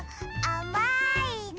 あまいの？